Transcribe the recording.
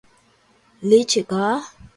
litigar